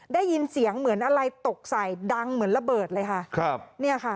ได้ยินเสียงเหมือนอะไรตกใส่ดังเหมือนระเบิดเลยค่ะ